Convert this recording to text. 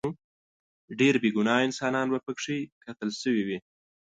ډیر بې ګناه انسانان به پکې قتل شوي وي.